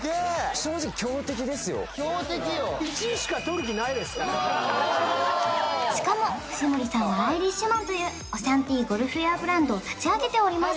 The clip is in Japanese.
正直ですから今日はしかも藤森さんはアイリッシュマンというオシャンティーゴルフウェアブランドを立ち上げております